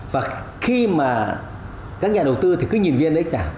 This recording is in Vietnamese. và khi mà các nhà đầu tư thì cứ nhìn viên index